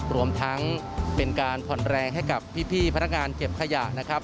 รวมทั้งเป็นการผ่อนแรงให้กับพี่พนักงานเก็บขยะนะครับ